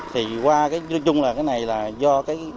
thì qua cái chung là cái này là do